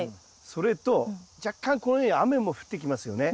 それと若干このように雨も降ってきますよね。